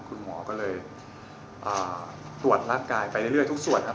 คุณหมอก็เลยตรวจร่างกายไปเรื่อยทุกส่วนครับ